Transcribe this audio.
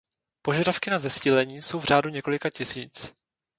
Požadavky na zesílení jsou v řádu několika tisíc.